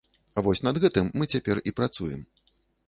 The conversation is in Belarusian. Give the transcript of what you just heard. Вось над гэтым мы цяпер і працуем.